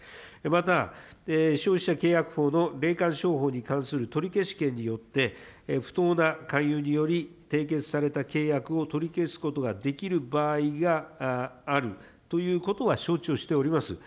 また、消費者契約法の霊感商法に関する取消権によって不当な勧誘により締結された契約を取り消すことができる場合があるということは承知をしております。